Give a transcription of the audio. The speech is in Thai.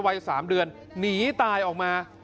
วัย๓เดือนหนีตายออกมา